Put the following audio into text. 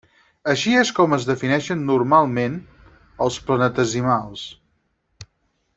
Així és com es defineixen normalment els planetesimals.